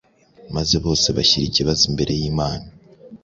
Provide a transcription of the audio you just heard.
maze bose bashyira ikibazo imbere y’Imana,